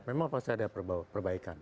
memang pasti ada perbaikan